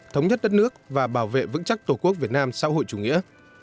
thống nhất đất nước và bảo vệ vững chắc tổ quốc việt nam xã hội chủ nghĩa